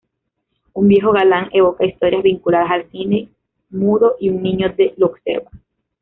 Un viejo galán evoca historias vinculadas al cine mudo y un niño lo observa.